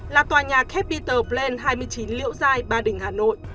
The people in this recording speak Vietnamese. là tòa nhà capitol plain hai mươi chín liễu giai ba đình hà nội